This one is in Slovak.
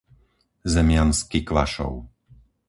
Zemiansky Kvašov